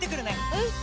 うん！